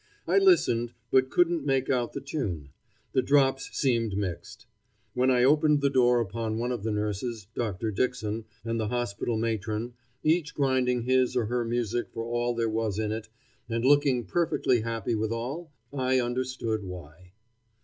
I listened, but couldn't make out the tune. The drops seemed mixed. When I opened the door upon one of the nurses, Dr. Dixon, and the hospital matron, each grinding his or her music for all there was in it, and looking perfectly happy withal, I understood why.